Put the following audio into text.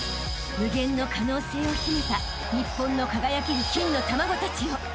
［無限の可能性を秘めた日本の輝ける金の卵たちよ］